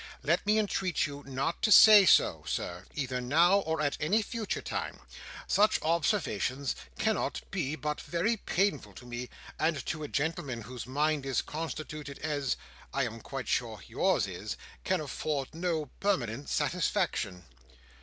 "Let me entreat you not to say so, Sir, either now, or at any future time. Such observations cannot but be very painful to me; and to a gentleman, whose mind is constituted as, I am quite sure, yours is, can afford no permanent satisfaction."